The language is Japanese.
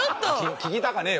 聞きたかねえよ